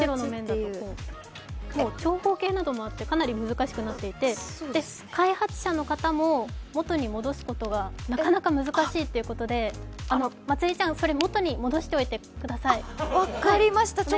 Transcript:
長方形ではなくてかなり難しくなっていて開発者の方も元に戻すことがなかなか難しいということでまつりちゃん、それ、元に戻しておいてください、お願いします。